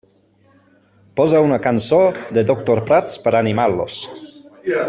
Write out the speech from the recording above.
Posa una cançó de Doctor Prats per animar-los.